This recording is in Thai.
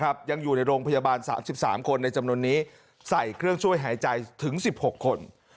ยังอยู่ในโรงพยาบาล๓๓คนในจำนวนนี้ใส่เครื่องช่วยหายใจถึง๑๖คน